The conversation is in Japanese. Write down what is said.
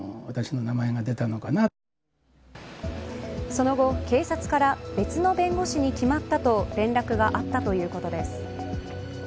その後、警察から別の弁護士に決まったと連絡があったということです。